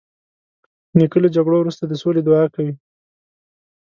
نیکه له جګړو وروسته د سولې دعا کوي.